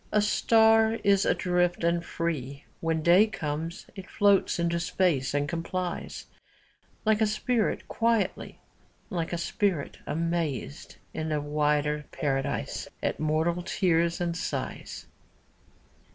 A star is adrift and free. When day comes, it floats into space and com plies ; Like a spirit quietly, Like a spirit, amazed in a wider paradise At mortal tears and sighs.